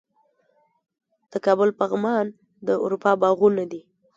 د کابل پغمان د اروپا باغونه دي